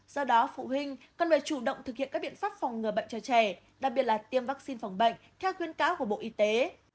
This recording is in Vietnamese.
do đó phụ huynh cần phải chủ động thực hiện các biện pháp phòng ngừa bệnh cho trẻ đặc biệt là tiêm vaccine phòng bệnh theo khuyên cáo của bộ y tế